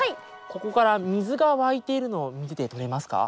ここから水が湧いているのを見てとれますか？